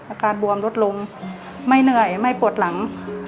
อาการบวมลดลงไม่เหนื่อยไม่ปวดหลัง